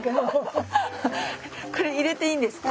これ入れていいんですか？